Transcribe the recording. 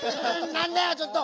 なんだよちょっと！